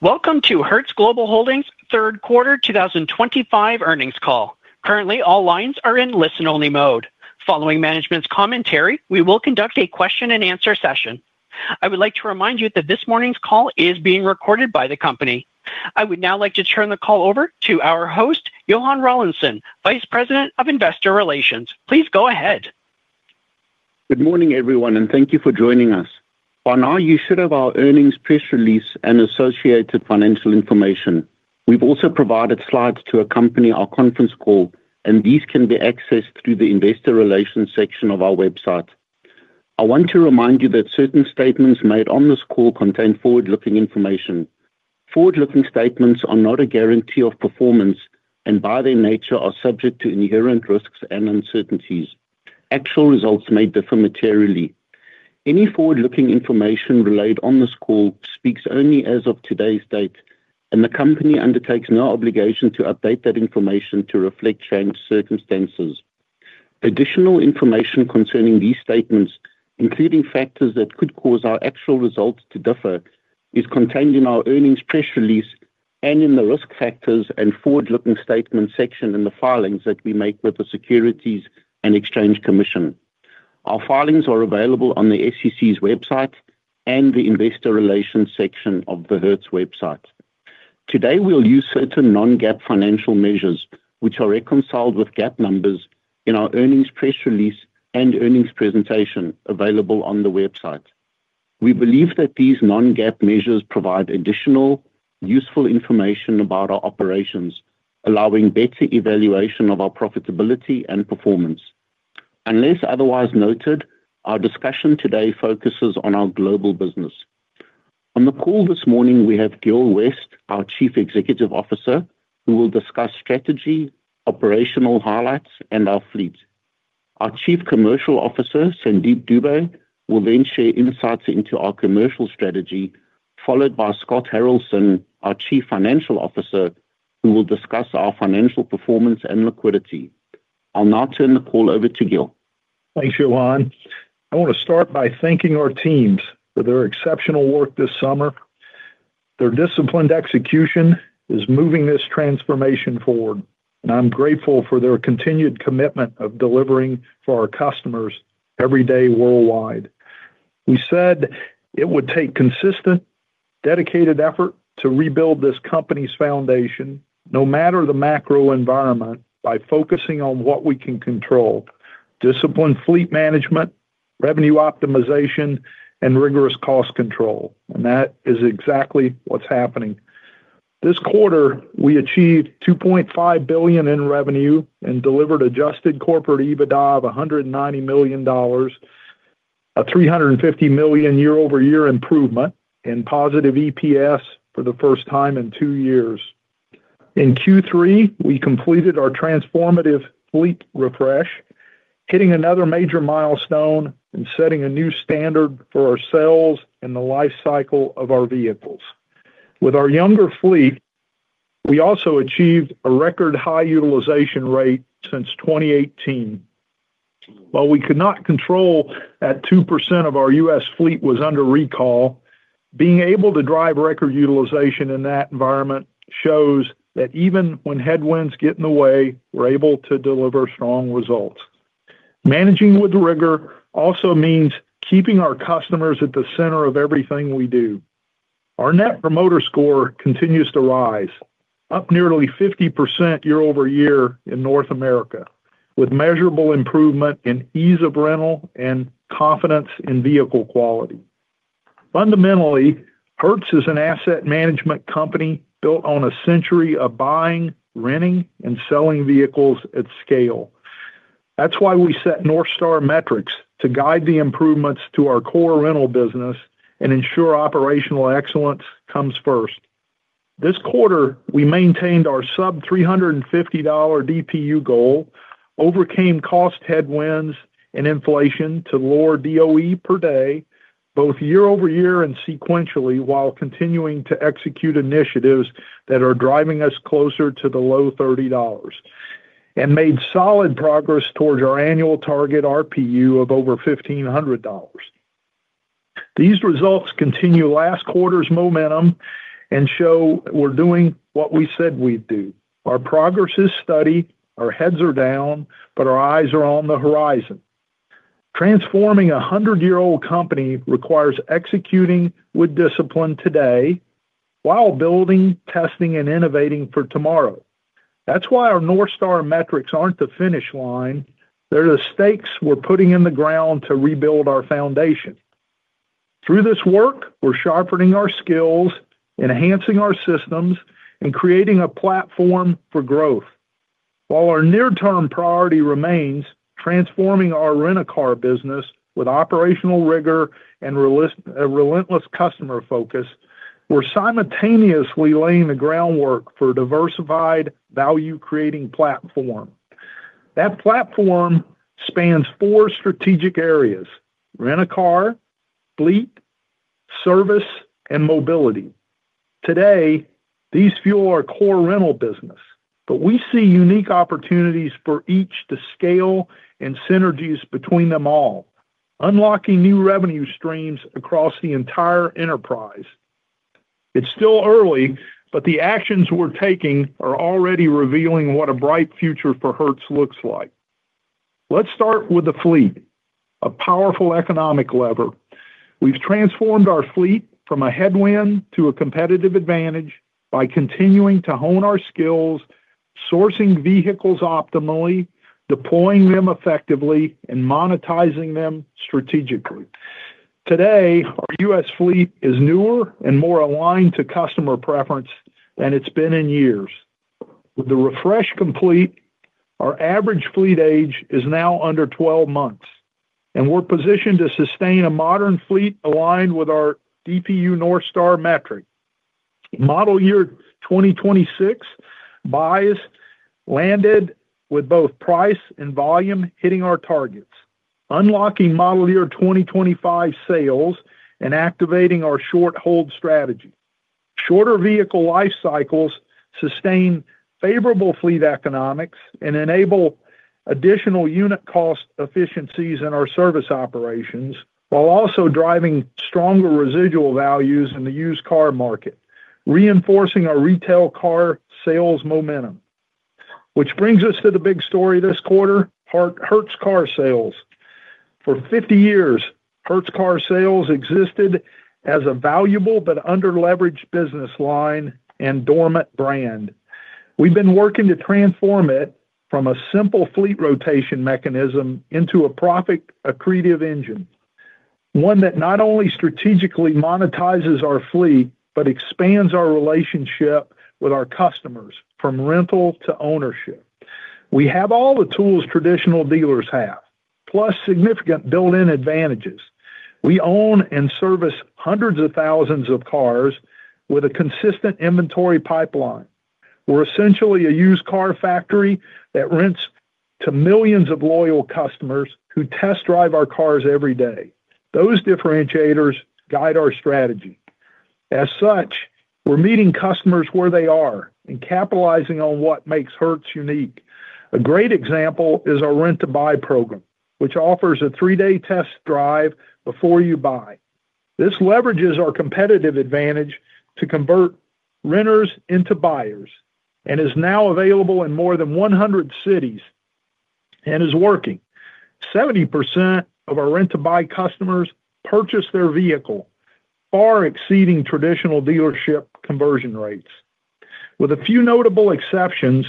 Welcome to Hertz Global Holdings' third quarter 2025 earnings call. Currently, all lines are in listen-only mode. Following management's commentary, we will conduct a question-and-answer session. I would like to remind you that this morning's call is being recorded by the company. I would now like to turn the call over to our host, Johann Rawlinson, Vice President of Investor Relations. Please go ahead. Good morning, everyone, and thank you for joining us. By now, you should have our earnings press release and associated financial information. We've also provided slides to accompany our conference call, and these can be accessed through the Investor Relations section of our website. I want to remind you that certain statements made on this call contain forward-looking information. Forward-looking statements are not a guarantee of performance and, by their nature, are subject to inherent risks and uncertainties. Actual results may differ materially. Any forward-looking information relayed on this call speaks only as of today's date, and the company undertakes no obligation to update that information to reflect changed circumstances. Additional information concerning these statements, including factors that could cause our actual results to differ, is contained in our earnings press release and in the risk factors and forward-looking statements section in the filings that we make with the Securities and Exchange Commission. Our filings are available on the SEC's website and the Investor Relations section of the Hertz website. Today, we'll use certain non-GAAP financial measures, which are reconciled with GAAP numbers, in our earnings press release and earnings presentation available on the website. We believe that these non-GAAP measures provide additional useful information about our operations, allowing better evaluation of our profitability and performance. Unless otherwise noted, our discussion today focuses on our global business. On the call this morning, we have Gil West, our Chief Executive Officer, who will discuss strategy, operational highlights, and our fleet. Our Chief Commercial Officer, Sandeep Dube, will then share insights into our commercial strategy, followed by Scott Haralson, our Chief Financial Officer, who will discuss our financial performance and liquidity. I'll now turn the call over to Gil. Thanks, Johann. I want to start by thanking our teams for their exceptional work this summer. Their disciplined execution is moving this transformation forward, and I'm grateful for their continued commitment of delivering for our customers every day worldwide. We said it would take consistent, dedicated effort to rebuild this company's foundation, no matter the macro environment, by focusing on what we can control: disciplined fleet management, revenue optimization, and rigorous cost control. And that is exactly what's happening. This quarter, we achieved $2.5 billion in revenue and delivered Adjusted corporate EBITDA of $190 million. A $350 million year-over-year improvement, and positive EPS for the first time in two years. In Q3, we completed our transformative fleet refresh, hitting another major milestone and setting a new standard for our sales and the life cycle of our vehicles. With our younger fleet, we also achieved a record high utilization rate since 2018. While we could not control that 2% of our U.S. fleet was under recall, being able to drive record utilization in that environment shows that even when headwinds get in the way, we're able to deliver strong results. Managing with rigor also means keeping our customers at the center of everything we do. Our Net Promoter Score continues to rise, up nearly 50% year-over-year in North America, with measurable improvement in ease of rental and confidence in vehicle quality. Fundamentally, Hertz is an asset management company built on a century of buying, renting, and selling vehicles at scale. That's why we set North Star metrics to guide the improvements to our core rental business and ensure operational excellence comes first. This quarter, we maintained our sub-$350 DPU goal, overcame cost headwinds and inflation to lower DOE per day, both year-over-year and sequentially, while continuing to execute initiatives that are driving us closer to the low $30. And made solid progress towards our annual target RPU of over $1,500. These results continue last quarter's momentum and show we're doing what we said we'd do. Our progress is steady. Our heads are down, but our eyes are on the horizon. Transforming a 100-year-old company requires executing with discipline today while building, testing, and innovating for tomorrow. That's why our North Star metrics aren't the finish line. They're the stakes we're putting in the ground to rebuild our foundation. Through this work, we're sharpening our skills, enhancing our systems, and creating a platform for growth. While our near-term priority remains transforming our rental car business with operational rigor and a relentless customer focus, we're simultaneously laying the groundwork for a diversified, value-creating platform. That platform spans four strategic areas: rental car, fleet, service, and mobility. Today, these fuel our core rental business, but we see unique opportunities for each to scale and synergies between them all, unlocking new revenue streams across the entire enterprise. It's still early, but the actions we're taking are already revealing what a bright future for Hertz looks like. Let's start with the fleet, a powerful economic lever. We've transformed our fleet from a headwind to a competitive advantage by continuing to hone our skills, sourcing vehicles optimally, deploying them effectively, and monetizing them strategically. Today, our U.S. fleet is newer and more aligned to customer preference than it's been in years. With the refresh complete, our average fleet age is now under 12 months, and we're positioned to sustain a modern fleet aligned with our DPU North Star metric. Model Year 2026 buys landed with both price and volume hitting our targets, unlocking Model Year 2025 sales and activating our short-hold strategy. Shorter vehicle life cycles sustain favorable fleet economics and enable additional unit cost efficiencies in our service operations, while also driving stronger residual values in the used car market, reinforcing our retail car sales momentum. Which brings us to the big story this quarter: Hertz Car Sales. For 50 years, Hertz Car Sales existed as a valuable but under-leveraged business line and dormant brand. We've been working to transform it from a simple fleet rotation mechanism into a profit-accretive engine, one that not only strategically monetizes our fleet but expands our relationship with our customers from rental to ownership. We have all the tools traditional dealers have, plus significant built-in advantages. We own and service hundreds of thousands of cars with a consistent inventory pipeline. We're essentially a used car factory that rents to millions of loyal customers who test drive our cars every day. Those differentiators guide our strategy. As such, we're meeting customers where they are and capitalizing on what makes Hertz unique. A great example is our rent-to-buy program, which offers a three-day test drive before you buy. This leverages our competitive advantage to convert renters into buyers and is now available in more than 100 cities, and is working. 70% of our rent-to-buy customers purchase their vehicle, far exceeding traditional dealership conversion rates. With a few notable exceptions,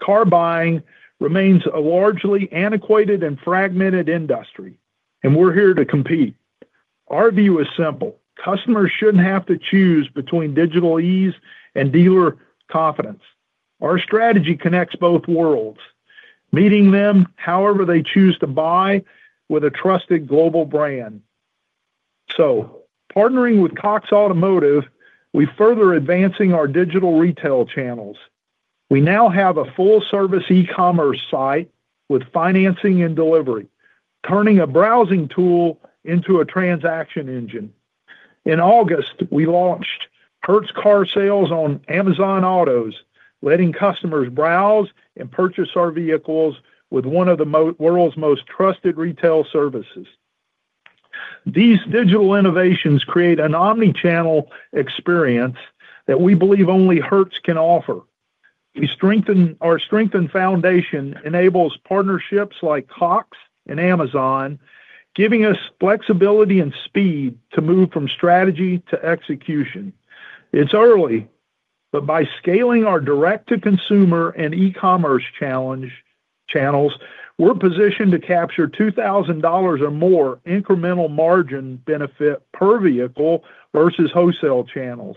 car buying remains a largely antiquated and fragmented industry, and we're here to compete. Our view is simple: customers shouldn't have to choose between digital ease and dealer confidence. Our strategy connects both worlds, meeting them however they choose to buy with a trusted global brand, so partnering with Cox Automotive, we're further advancing our digital retail channels. We now have a full-service e-commerce site with financing and delivery, turning a browsing tool into a transaction engine. In August, we launched Hertz Car Sales on Amazon Autos, letting customers browse and purchase our vehicles with one of the world's most trusted retail services. These digital innovations create an omnichannel experience that we believe only Hertz can offer. Our strengthened foundation enables partnerships like Cox and Amazon, giving us flexibility and speed to move from strategy to execution. It's early, but by scaling our direct-to-consumer and e-commerce channels, we're positioned to capture $2,000 or more incremental margin benefit per vehicle versus wholesale channels.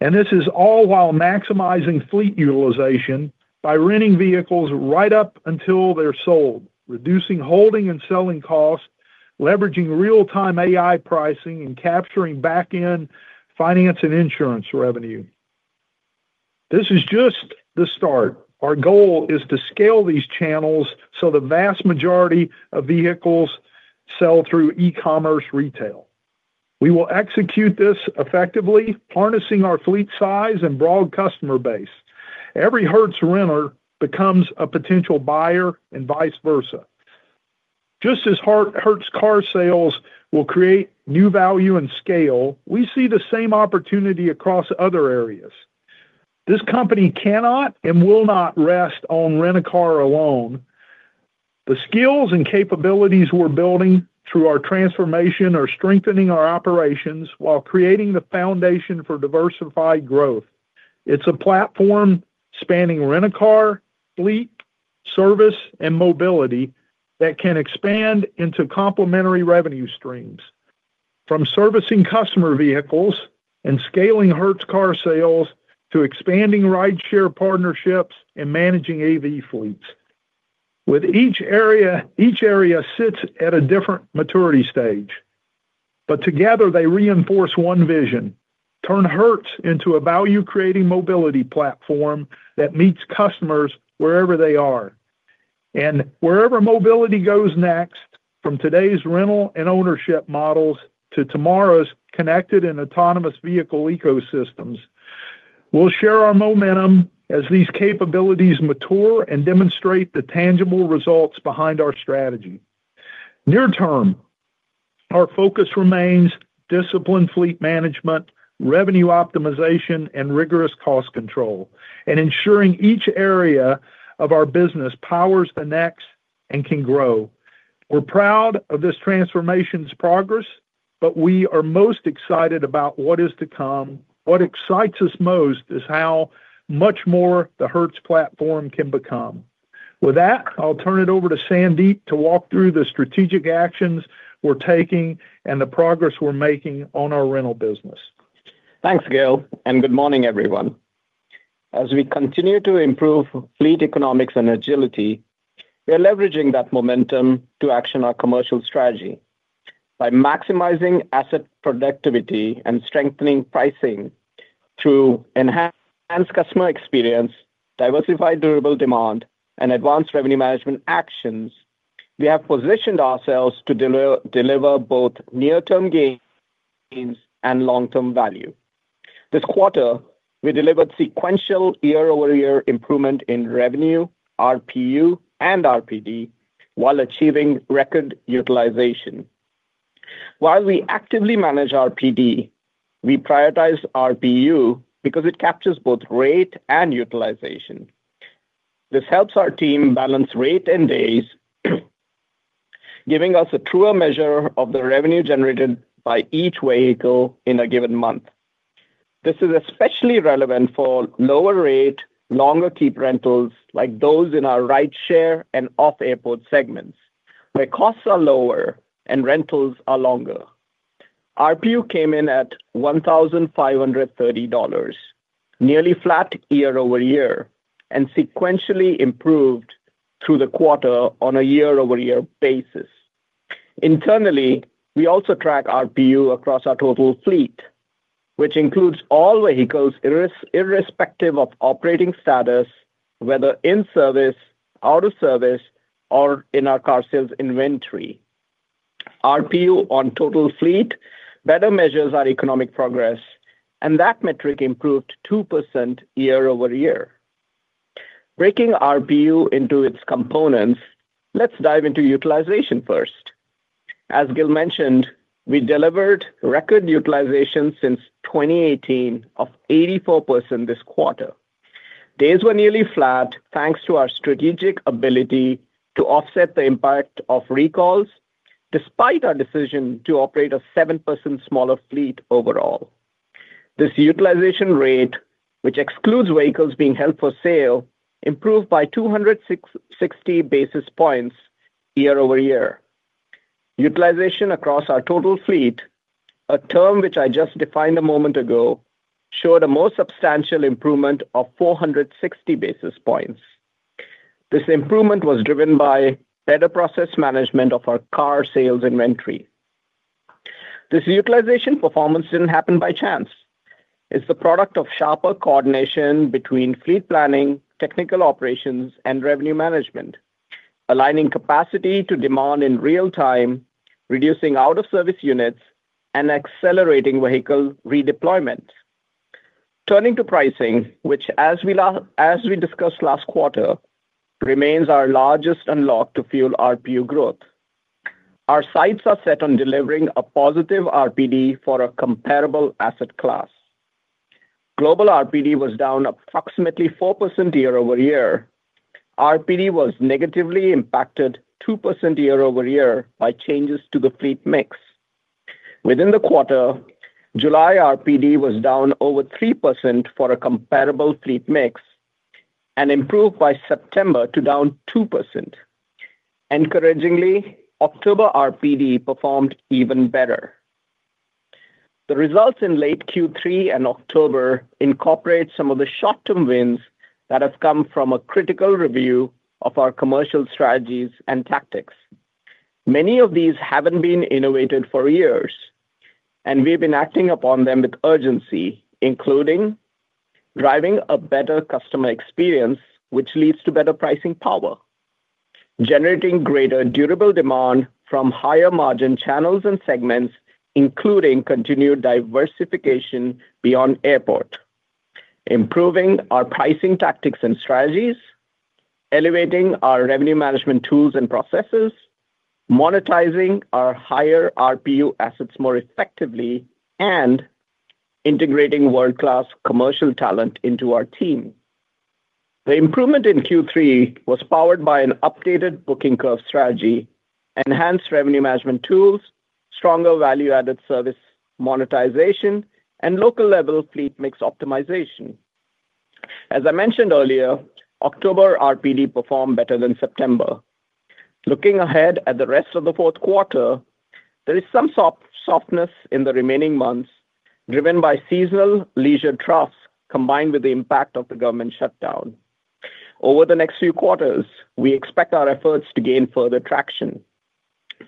This is all while maximizing fleet utilization by renting vehicles right up until they're sold, reducing holding and selling costs, leveraging real-time AI pricing, and capturing back-end finance and insurance revenue. This is just the start. Our goal is to scale these channels so the vast majority of vehicles sell through e-commerce retail. We will execute this effectively, harnessing our fleet size and broad customer base. Every Hertz renter becomes a potential buyer and vice versa. Just as Hertz Car Sales will create new value and scale, we see the same opportunity across other areas. This company cannot and will not rest on rent-a-car alone. The skills and capabilities we're building through our transformation are strengthening our operations while creating the foundation for diversified growth. It's a platform spanning rental car, fleet, service, and mobility that can expand into complementary revenue streams, from servicing customer vehicles and scaling Hertz Car Sales to expanding rideshare partnerships and managing AV fleets. With each area sits at a different maturity stage. But together, they reinforce one vision: turn Hertz into a value-creating mobility platform that meets customers wherever they are. Wherever mobility goes next, from today's rental and ownership models to tomorrow's connected and autonomous vehicle ecosystems, we'll share our momentum as these capabilities mature and demonstrate the tangible results behind our strategy. Near-term, our focus remains disciplined fleet management, revenue optimization, and rigorous cost control, and ensuring each area of our business powers the next and can grow. We're proud of this transformation's progress, but we are most excited about what is to come. What excites us most is how much more the Hertz platform can become. With that, I'll turn it over to Sandeep to walk through the strategic actions we're taking and the progress we're making on our rental business. Thanks, Gil, and good morning, everyone. As we continue to improve fleet economics and agility, we're leveraging that momentum to action our commercial strategy. By maximizing asset productivity and strengthening pricing through enhanced customer experience, diversified durable demand, and advanced revenue management actions, we have positioned ourselves to deliver both near-term gains and long-term value. This quarter, we delivered sequential year-over-year improvement in revenue, RPU, and RPD while achieving record utilization. While we actively manage RPD, we prioritize RPU because it captures both rate and utilization. This helps our team balance rate and days. Giving us a truer measure of the revenue generated by each vehicle in a given month. This is especially relevant for lower-rate, longer-keep rentals like those in our rideshare and off-airport segments, where costs are lower and rentals are longer. RPU came in at $1,530. Nearly flat year-over-year and sequentially improved through the quarter on a year-over-year basis. Internally, we also track RPU across our total fleet, which includes all vehicles irrespective of operating status, whether in service, out of service, or in our car sales inventory. RPU on total fleet better measures our economic progress, and that metric improved 2% year-over-year. Breaking RPU into its components, let's dive into utilization first. As Gil mentioned, we delivered record utilization since 2018 of 84% this quarter. Days were nearly flat thanks to our strategic ability to offset the impact of recalls despite our decision to operate a 7% smaller fleet overall. This utilization rate, which excludes vehicles being held for sale, improved by 260 basis points year-over-year. Utilization across our total fleet, a term which I just defined a moment ago, showed a more substantial improvement of 460 basis points. This improvement was driven by better process management of our car sales inventory. This utilization performance didn't happen by chance. It's the product of sharper coordination between fleet planning, technical operations, and revenue management. Aligning capacity to demand in real time, reducing out-of-service units, and accelerating vehicle redeployment. Turning to pricing, which, as we discussed last quarter, remains our largest unlock to fuel RPU growth. Our sights are set on delivering a positive RPD for a comparable asset class. Global RPD was down approximately 4% year-over-year. RPD was negatively impacted 2% year-over-year by changes to the fleet mix. Within the quarter, July RPD was down over 3% for a comparable fleet mix and improved by September to down 2%. Encouragingly, October RPD performed even better. The results in late Q3 and October incorporate some of the short-term wins that have come from a critical review of our commercial strategies and tactics. Many of these haven't been innovated for years, and we've been acting upon them with urgency, including. Driving a better customer experience, which leads to better pricing power. Generating greater durable demand from higher-margin channels and segments, including continued diversification beyond airport. Improving our pricing tactics and strategies, elevating our revenue management tools and processes, monetizing our higher RPU assets more effectively, and. Integrating world-class commercial talent into our team. The improvement in Q3 was powered by an updated booking curve strategy, enhanced revenue management tools, stronger value-added service monetization, and local-level fleet mix optimization. As I mentioned earlier, October RPD performed better than September. Looking ahead at the rest of the fourth quarter, there is some softness in the remaining months driven by seasonal leisure demand combined with the impact of the government shutdown. Over the next few quarters, we expect our efforts to gain further traction.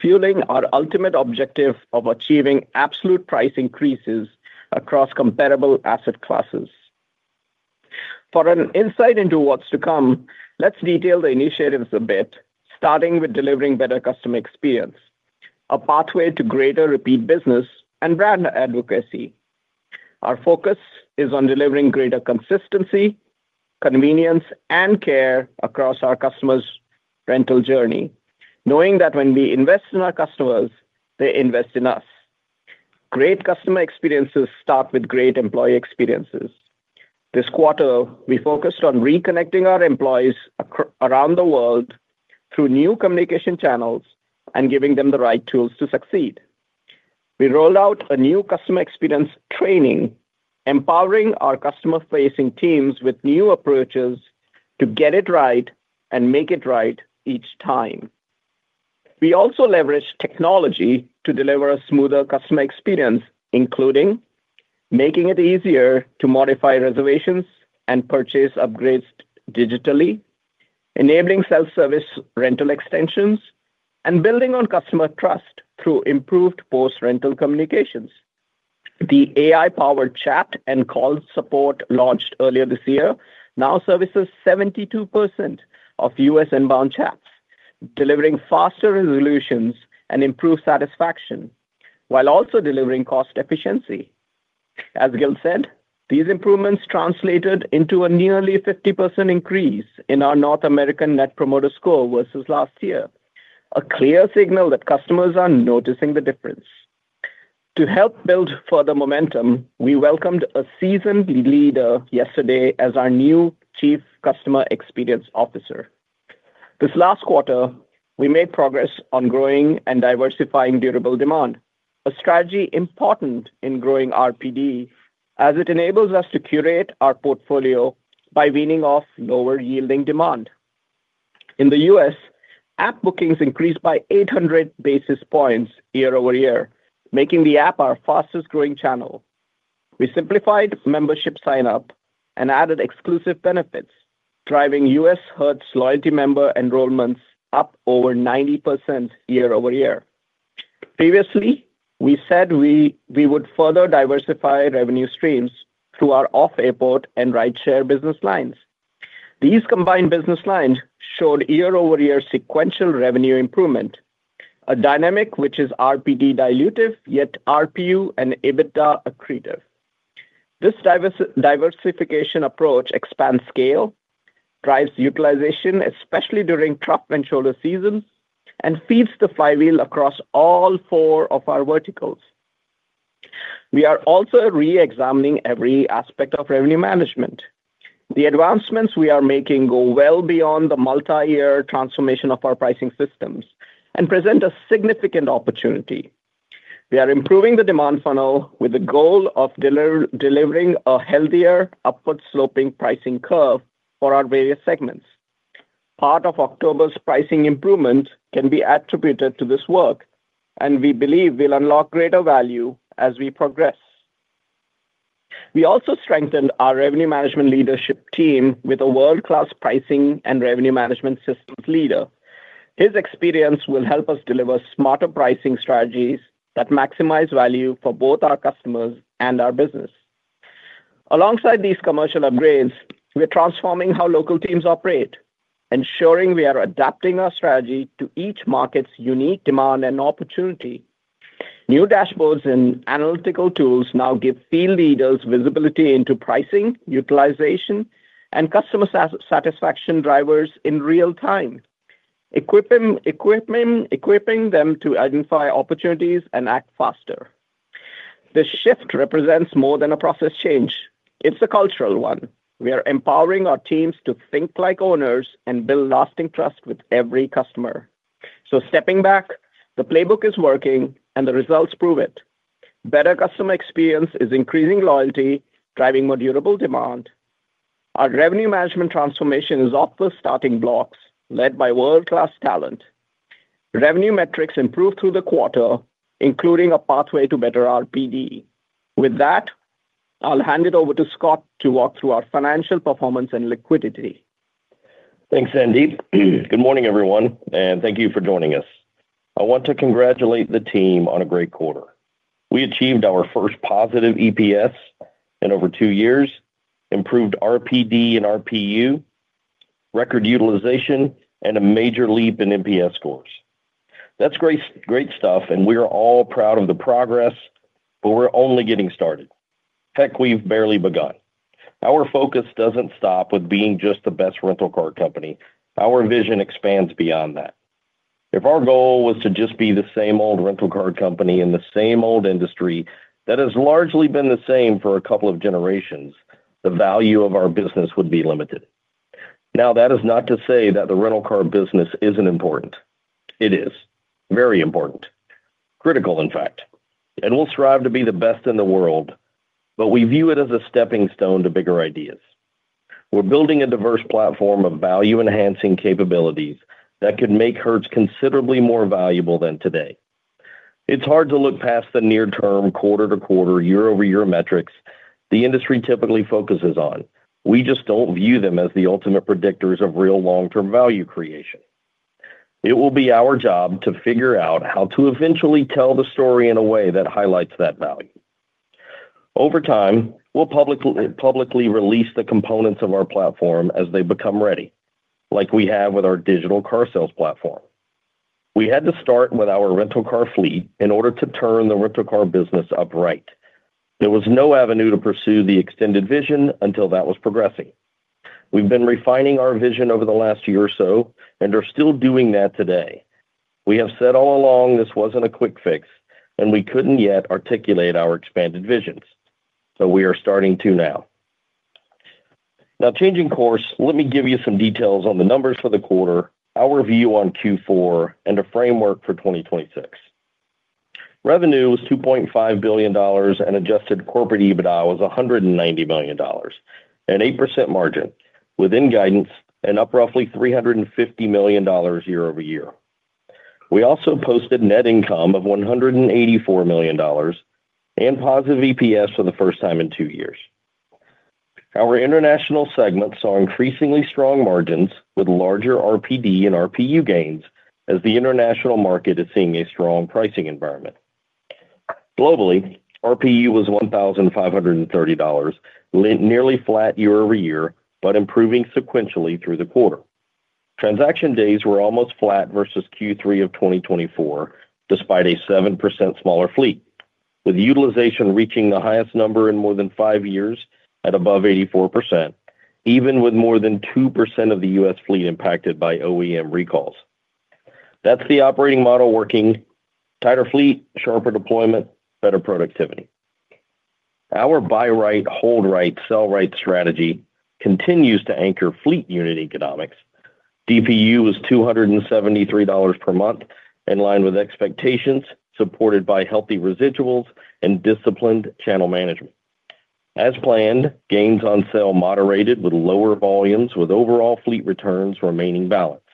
Fueling our ultimate objective of achieving absolute price increases across comparable asset classes. For an insight into what's to come, let's detail the initiatives a bit, starting with delivering better customer experience, a pathway to greater repeat business, and brand advocacy. Our focus is on delivering greater consistency, convenience, and care across our customers' rental journey, knowing that when we invest in our customers, they invest in us. Great customer experiences start with great employee experiences. This quarter, we focused on reconnecting our employees around the world through new communication channels and giving them the right tools to succeed. We rolled out a new customer experience training, empowering our customer-facing teams with new approaches to get it right and make it right each time. We also leveraged technology to deliver a smoother customer experience, including making it easier to modify reservations and purchase upgrades digitally, enabling self-service rental extensions, and building on customer trust through improved post-rental communications. The AI-powered chat and call support launched earlier this year now services 72% of U.S. inbound chats, delivering faster resolutions and improved satisfaction while also delivering cost efficiency. As Gil said, these improvements translated into a nearly 50% increase in our North American Net Promoter Score versus last year, a clear signal that customers are noticing the difference. To help build further momentum, we welcomed a seasoned leader yesterday as our new Chief Customer Experience Officer. This last quarter, we made progress on growing and diversifying durable demand, a strategy important in growing RPD as it enables us to curate our portfolio by weaning off lower-yielding demand. In the U.S., app bookings increased by 800 basis points year-over-year, making the app our fastest-growing channel. We simplified membership sign-up and added exclusive benefits, driving U.S. Hertz loyalty member enrollments up over 90% year-over-year. Previously, we said we would further diversify revenue streams through our off-airport and rideshare business lines. These combined business lines showed year-over-year sequential revenue improvement, a dynamic which is RPD dilutive, yet RPU and EBITDA accretive. This diversification approach expands scale, drives utilization, especially during trough and shoulder seasons, and feeds the flywheel across all four of our verticals. We are also re-examining every aspect of revenue management. The advancements we are making go well beyond the multi-year transformation of our pricing systems and present a significant opportunity. We are improving the demand funnel with the goal of delivering a healthier upward-sloping pricing curve for our various segments. Part of October's pricing improvements can be attributed to this work, and we believe we'll unlock greater value as we progress. We also strengthened our revenue management leadership team with a world-class pricing and revenue management systems leader. His experience will help us deliver smarter pricing strategies that maximize value for both our customers and our business. Alongside these commercial upgrades, we're transforming how local teams operate, ensuring we are adapting our strategy to each market's unique demand and opportunity. New dashboards and analytical tools now give field leaders visibility into pricing, utilization, and customer satisfaction drivers in real time, equipping them to identify opportunities and act faster. The shift represents more than a process change. It's a cultural one. We are empowering our teams to think like owners and build lasting trust with every customer. So stepping back, the playbook is working, and the results prove it. Better customer experience is increasing loyalty, driving more durable demand. Our revenue management transformation is off the starting blocks, led by world-class talent. Revenue metrics improved through the quarter, including a pathway to better RPD. With that, I'll hand it over to Scott to walk through our financial performance and liquidity. Thanks, Sandeep. Good morning, everyone, and thank you for joining us. I want to congratulate the team on a great quarter. We achieved our first positive EPS in over two years, improved RPD and RPU. Record utilization, and a major leap in NPS scores. That's great stuff, and we are all proud of the progress, but we're only getting started. Heck, we've barely begun. Our focus doesn't stop with being just the best rental car company. Our vision expands beyond that. If our goal was to just be the same old rental car company in the same old industry that has largely been the same for a couple of generations, the value of our business would be limited. Now, that is not to say that the rental car business isn't important. It is very important, critical, in fact, and we'll strive to be the best in the world. But we view it as a stepping stone to bigger ideas. We're building a diverse platform of value-enhancing capabilities that could make Hertz considerably more valuable than today. It's hard to look past the near-term, quarter-to-quarter, year-over-year metrics the industry typically focuses on. We just don't view them as the ultimate predictors of real long-term value creation. It will be our job to figure out how to eventually tell the story in a way that highlights that value. Over time, we'll publicly release the components of our platform as they become ready, like we have with our digital car sales platform. We had to start with our rental car fleet in order to turn the rental car business upright. There was no avenue to pursue the extended vision until that was progressing. We've been refining our vision over the last year or so and are still doing that today. We have said all along this wasn't a quick fix, and we couldn't yet articulate our expanded visions. So we are starting to now. Now, changing course, let me give you some details on the numbers for the quarter, our view on Q4, and a framework for 2026. Revenue was $2.5 billion, and adjusted corporate EBITDA was $190 million, an 8% margin within guidance, and up roughly $350 million year-over-year. We also posted net income of $184 million. And positive EPS for the first time in two years. Our international segment saw increasingly strong margins with larger RPD and RPU gains as the international market is seeing a strong pricing environment. Globally, RPU was $1,530, nearly flat year-over-year, but improving sequentially through the quarter. Transaction days were almost flat versus Q3 of 2024, despite a 7% smaller fleet, with utilization reaching the highest number in more than five years at above 84%, even with more than 2% of the U.S. fleet impacted by OEM recalls. That's the operating model working: tighter fleet, sharper deployment, better productivity. Our buy right, hold right, sell right strategy continues to anchor fleet unit economics. DPU was $273 per month, in line with expectations, supported by healthy residuals and disciplined channel management. As planned, gains on sale moderated with lower volumes, with overall fleet returns remaining balanced.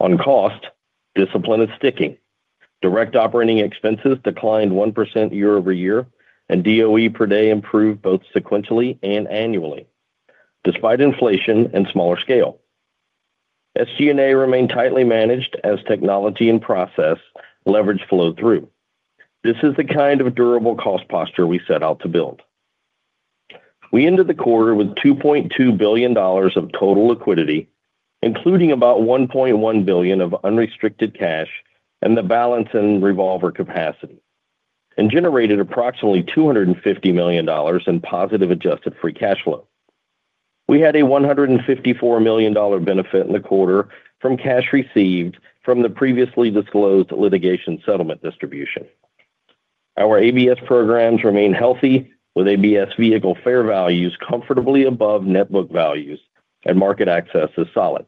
On cost, discipline is sticking. Direct operating expenses declined 1% year-over-year, and DOE per day improved both sequentially and annually, despite inflation and smaller scale. SG&A remained tightly managed as technology and process leverage flowed through. This is the kind of durable cost posture we set out to build. We ended the quarter with $2.2 billion of total liquidity, including about $1.1 billion of unrestricted cash and the balance in revolver capacity, and generated approximately $250 million in positive adjusted free cash flow. We had a $154 million benefit in the quarter from cash received from the previously disclosed litigation settlement distribution. Our ABS programs remain healthy, with ABS vehicle fair values comfortably above net book values, and market access is solid.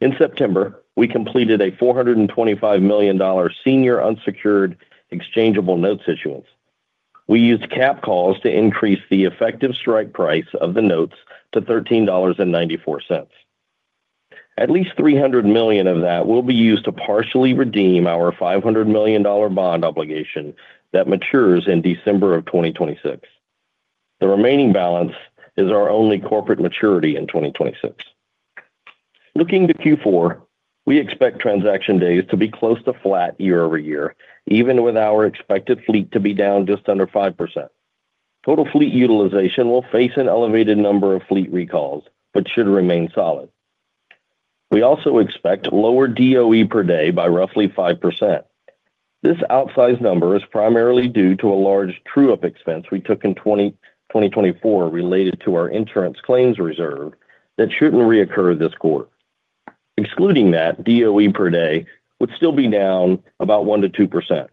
In September, we completed a $425 million senior unsecured exchangeable notes issuance. We used capped calls to increase the effective strike price of the notes to $13.94. At least $300 million of that will be used to partially redeem our $500 million bond obligation that matures in December of 2026. The remaining balance is our only corporate maturity in 2026. Looking to Q4, we expect transaction days to be close to flat year-over-year, even with our expected fleet to be down just under 5%. Total fleet utilization will face an elevated number of fleet recalls, but should remain solid. We also expect lower DOE per day by roughly 5%. This outsized number is primarily due to a large true-up expense we took in 2024 related to our insurance claims reserve that shouldn't reoccur this quarter. Excluding that, DOE per day would still be down about 1% - 2%.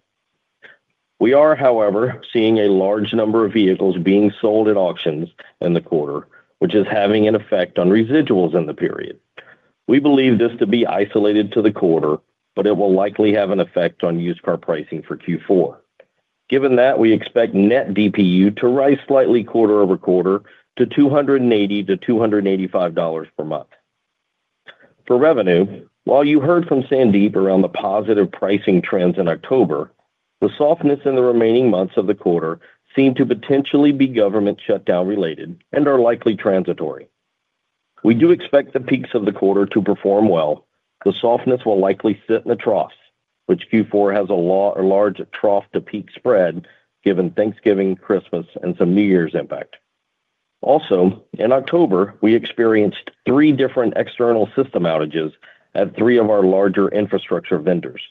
We are, however, seeing a large number of vehicles being sold at auctions in the quarter, which is having an effect on residuals in the period. We believe this to be isolated to the quarter, but it will likely have an effect on used car pricing for Q4. Given that, we expect net DPU to rise slightly quarter over quarter to $280 - $285 per month. For revenue, while you heard from Sandeep around the positive pricing trends in October, the softness in the remaining months of the quarter seemed to potentially be government shutdown related and are likely transitory. We do expect the peaks of the quarter to perform well. The softness will likely sit in a trough, which Q4 has a large trough to peak spread given Thanksgiving, Christmas, and some New Year's impact. Also, in October, we experienced three different external system outages at three of our larger infrastructure vendors.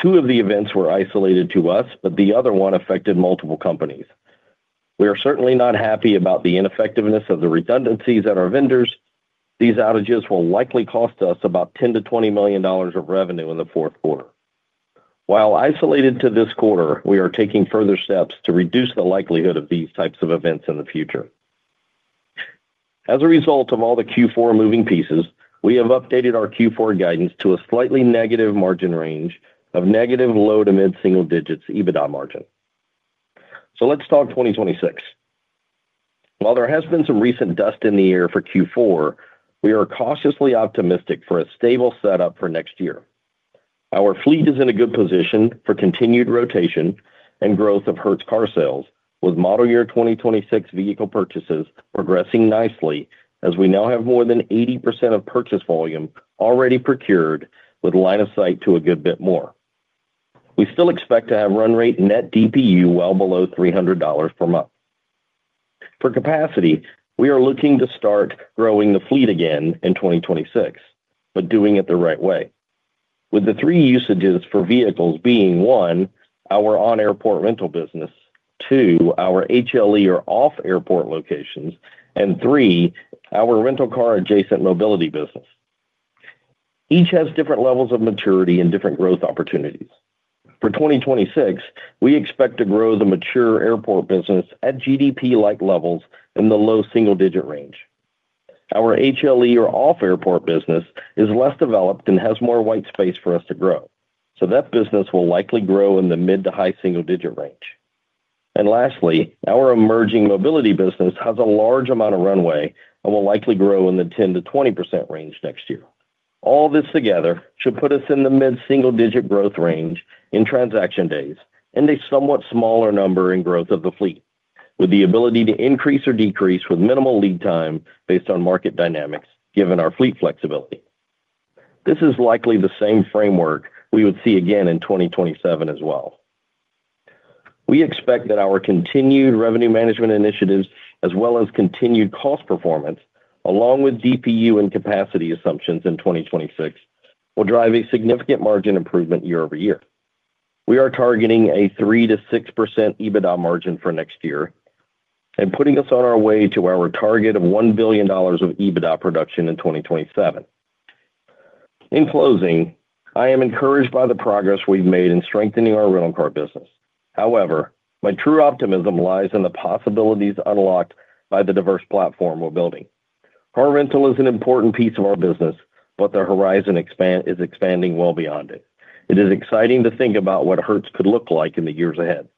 Two of the events were isolated to us, but the other one affected multiple companies. We are certainly not happy about the ineffectiveness of the redundancies at our vendors. These outages will likely cost us about $10 million - $20 million of revenue in the fourth quarter. While isolated to this quarter, we are taking further steps to reduce the likelihood of these types of events in the future. As a result of all the Q4 moving pieces, we have updated our Q4 guidance to a slightly negative margin range of negative low to mid-single-digit EBITDA margin. So let's talk 2026. While there has been some recent dust in the air for Q4, we are cautiously optimistic for a stable setup for next year. Our fleet is in a good position for continued rotation and growth of Hertz Car Sales, with model year 2026 vehicle purchases progressing nicely as we now have more than 80% of purchase volume already procured, with line of sight to a good bit more. We still expect to have run rate net DPU well below $300 per month. For capacity, we are looking to start growing the fleet again in 2026, but doing it the right way. With the three usages for vehicles being: one, our on-airport rental business; two, our HLE or off-airport locations; and three, our rental car adjacent mobility business. Each has different levels of maturity and different growth opportunities. For 2026, we expect to grow the mature airport business at GDP-like levels in the low-single-digit range. Our HLE or off-airport business is less developed and has more white space for us to grow. So that business will likely grow in the mid- to high-single-digit range. And lastly, our emerging mobility business has a large amount of runway and will likely grow in the 10% - 20% range next year. All this together should put us in the mid-single-digit growth range in transaction days and a somewhat smaller number in growth of the fleet, with the ability to increase or decrease with minimal lead time based on market dynamics given our fleet flexibility. This is likely the same framework we would see again in 2027 as well. We expect that our continued revenue management initiatives, as well as continued cost performance, along with DPU and capacity assumptions in 2026, will drive a significant margin improvement year-over-year. We are targeting a 3% - 6% EBITDA margin for next year. And putting us on our way to our target of $1 billion of EBITDA production in 2027. In closing, I am encouraged by the progress we've made in strengthening our rental car business. However, my true optimism lies in the possibilities unlocked by the diverse platform we're building. Car rental is an important piece of our business, but the horizon is expanding well beyond it. It is exciting to think about what Hertz could look like in the years ahead.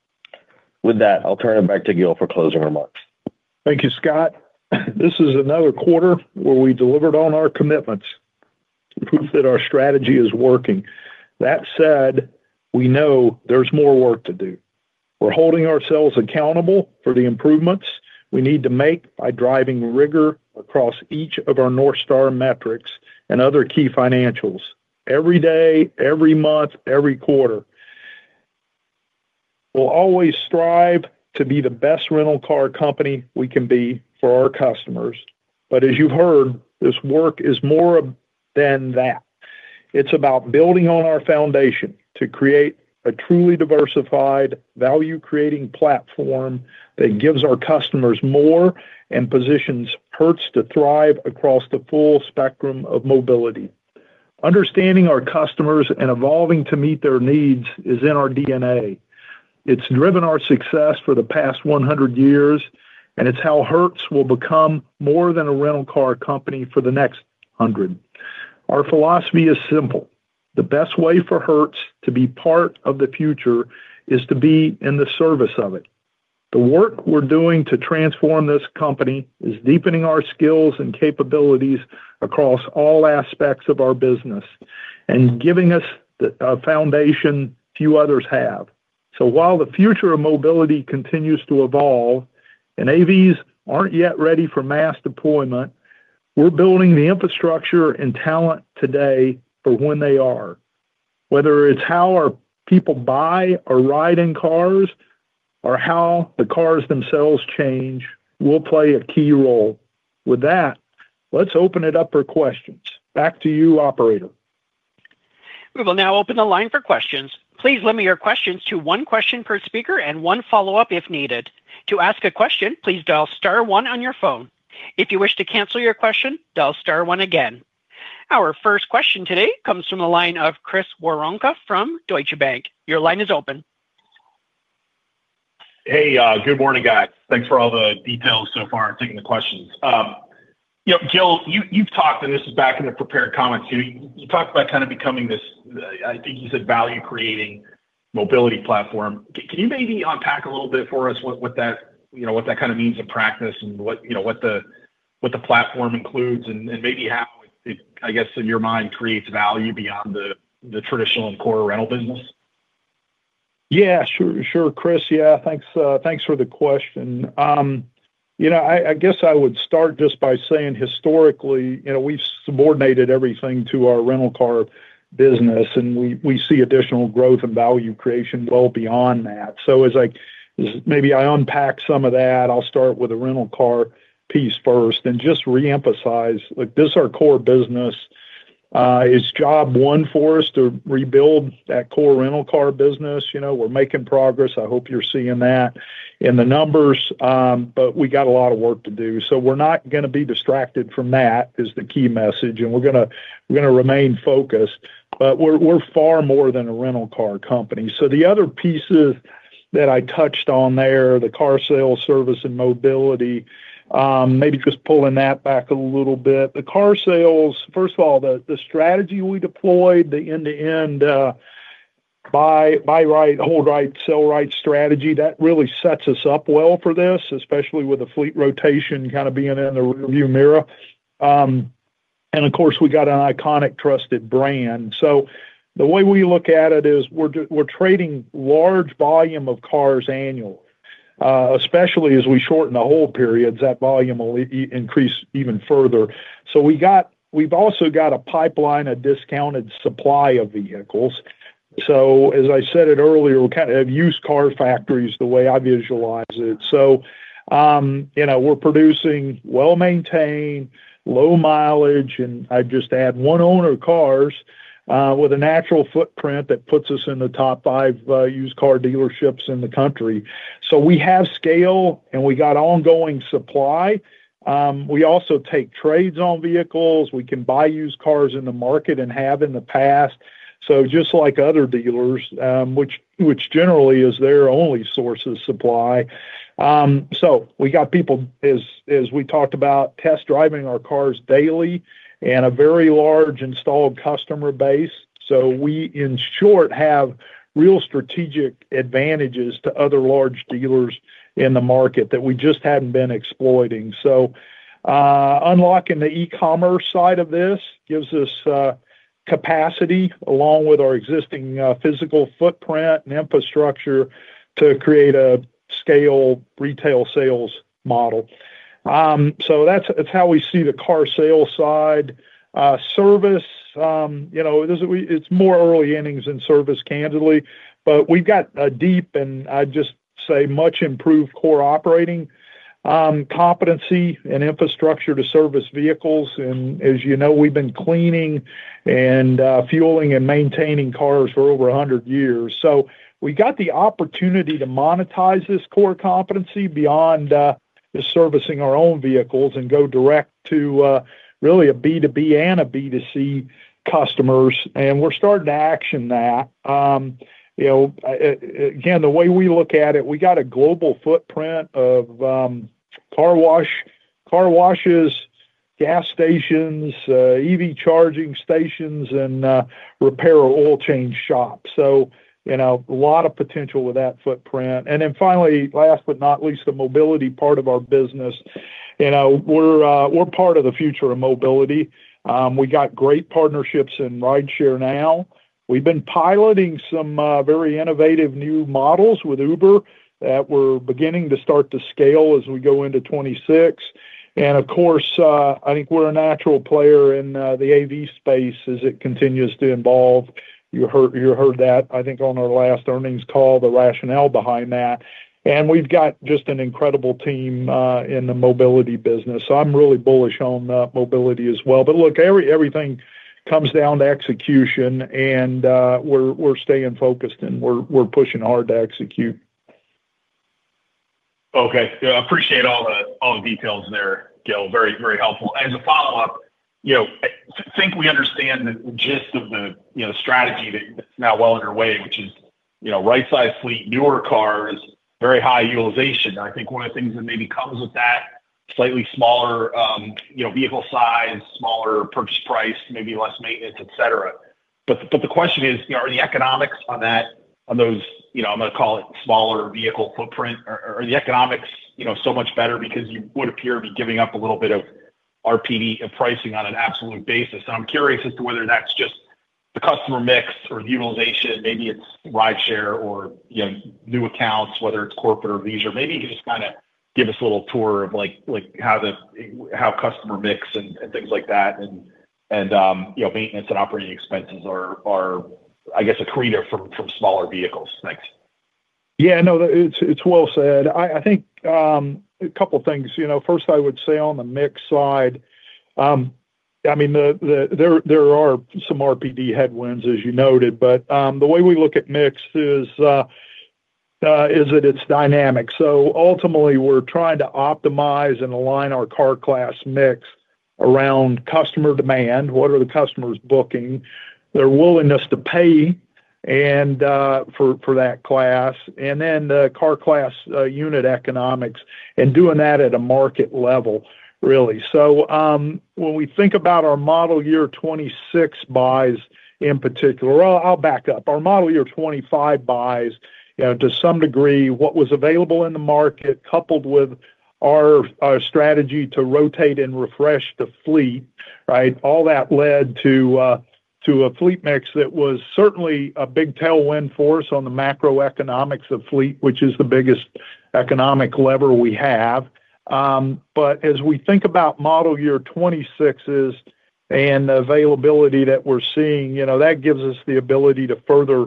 With that, I'll turn it back to Gil for closing remarks. Thank you, Scott. This is another quarter where we delivered on our commitments. To prove that our strategy is working. That said, we know there's more work to do. We're holding ourselves accountable for the improvements we need to make by driving rigor across each of our North Star metrics and other key financials every day, every month, every quarter. We'll always strive to be the best rental car company we can be for our customers. But as you've heard, this work is more than that. It's about building on our foundation to create a truly diversified value-creating platform that gives our customers more and positions Hertz to thrive across the full spectrum of mobility. Understanding our customers and evolving to meet their needs is in our DNA. It's driven our success for the past 100 years, and it's how Hertz will become more than a rental car company for the next 100. Our philosophy is simple. The best way for Hertz to be part of the future is to be in the service of it. The work we're doing to transform this company is deepening our skills and capabilities across all aspects of our business. And giving us a foundation few others have. So while the future of mobility continues to evolve and AVs aren't yet ready for mass deployment, we're building the infrastructure and talent today for when they are. Whether it's how our people buy or ride in cars or how the cars themselves change, we'll play a key role. With that, let's open it up for questions. Back to you, operator. We will now open the line for questions. Please limit your questions to one question per speaker and one follow-up if needed. To ask a question, please dial star one on your phone. If you wish to cancel your question, dial star one again. Our first question today comes from the line of Chris Woronka from Deutsche Bank. Your line is open. Hey, good morning, guys. Thanks for all the details so far and taking the questions. Gil, you've talked, and this is back in the prepared comments, you talked about kind of becoming this, I think you said, value-creating mobility platform. Can you maybe unpack a little bit for us what that kind of means in practice and what the platform includes and maybe how it, I guess, in your mind, creates value beyond the traditional and core rental business? Yeah, sure, sure, Chris. Yeah, thanks for the question. I guess I would start just by saying historically, we've subordinated everything to our rental car business, and we see additional growth and value creation well beyond that. So as maybe I unpack some of that, I'll start with the rental car piece first and just reemphasize this is our core business. It's job one for us to rebuild that core rental car business. We're making progress. I hope you're seeing that in the numbers, but we got a lot of work to do. So we're not going to be distracted from that is the key message, and we're going to remain focused. But we're far more than a rental car company. So the other pieces that I touched on there, the car sales, service, and mobility, maybe just pulling that back a little bit. The car sales, first of all, the strategy we deployed, the end-to-end. Buy right, hold right, sell right strategy, that really sets us up well for this, especially with the fleet rotation kind of being in the rearview mirror. And of course, we got an iconic trusted brand. So the way we look at it is we're trading large volume of cars annually, especially as we shorten the hold periods, that volume will increase even further. So we've also got a pipeline of discounted supply of vehicles. So as I said it earlier, we kind of have used car factories the way I visualize it. So. We're producing well-maintained, low mileage, and I'd just add one-owner cars with a natural footprint that puts us in the top five used car dealerships in the country. So we have scale, and we got ongoing supply. We also take trades on vehicles. We can buy used cars in the market and have in the past. So just like other dealers, which generally is their only source of supply. So we got people, as we talked about, test driving our cars daily and a very large installed customer base. So we, in short, have real strategic advantages to other large dealers in the market that we just hadn't been exploiting. So. Unlocking the e-commerce side of this gives us. Capacity along with our existing physical footprint and infrastructure to create a scale retail sales model. So that's how we see the car sales side. Service. It's more early innings and service, candidly. But we've got a deep, and I'd just say much improved core operating. Competency and infrastructure to service vehicles. And as you know, we've been cleaning and fueling and maintaining cars for over 100 years. So we got the opportunity to monetize this core competency beyond. Servicing our own vehicles and go direct to really a B2B and a B2C customers. And we're starting to action that. Again, the way we look at it, we got a global footprint of. Car washes, gas stations, EV charging stations, and repair or oil change shops. So. A lot of potential with that footprint. And then finally, last but not least, the mobility part of our business. We're part of the future of mobility. We got great partnerships in rideshare now. We've been piloting some very innovative new models with Uber that we're beginning to start to scale as we go into 2026. And of course, I think we're a natural player in the AV space as it continues to evolve. You heard that, I think, on our last earnings call, the rationale behind that. And we've got just an incredible team in the mobility business. So I'm really bullish on mobility as well. But look, everything comes down to execution, and we're staying focused, and we're pushing hard to execute. Okay. I appreciate all the details there, Gil. Very helpful. As a follow-up, I think we understand the gist of the strategy that's now well underway, which is right-sized fleet, newer cars, very high utilization. I think one of the things that maybe comes with that, slightly smaller vehicle size, smaller purchase price, maybe less maintenance, etc., but the question is, are the economics on those, I'm going to call it smaller vehicle footprint, are the economics so much better because you would appear to be giving up a little bit of RPD and pricing on an absolute basis? And I'm curious as to whether that's just the customer mix or the utilization. Maybe it's rideshare or new accounts, whether it's corporate or leisure. Maybe you can just kind of give us a little tour of how customer mix and things like that and maintenance and operating expenses are, I guess, a creator from smaller vehicles. Thanks. Yeah, no, it's well said. I think. A couple of things. First, I would say on the mix side, I mean. There are some RPD headwinds, as you noted. But the way we look at mix is that it's dynamic. So ultimately, we're trying to optimize and align our car class mix around customer demand. What are the customers booking? Their willingness to pay for that class, and then the car class unit economics, and doing that at a market level, really. So when we think about our model year 2026 buys in particular, I'll back up. Our model year 2025 buys, to some degree, what was available in the market coupled with our strategy to rotate and refresh the fleet, right? All that led to a fleet mix that was certainly a big tailwind for us on the macroeconomics of fleet, which is the biggest economic lever we have. But as we think about model year 2026 and the availability that we're seeing, that gives us the ability to further